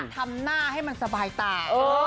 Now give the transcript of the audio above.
ทำหน้าให้มันสบายตา